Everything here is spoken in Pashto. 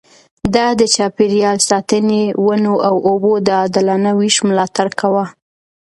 ده د چاپېريال ساتنې، ونو او اوبو د عادلانه وېش ملاتړ کاوه.